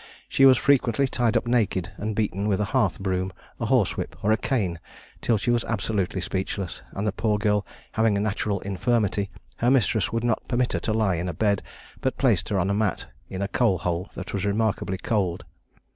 She was frequently tied up naked and beaten with a hearth broom, a horsewhip, or a cane, till she was absolutely speechless; and the poor girl having a natural infirmity, her mistress would not permit her to lie in a bed, but placed her on a mat in a coal hole that was remarkably cold.